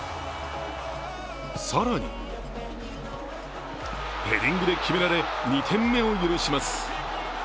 更にヘディングで決められ、２点目を許します。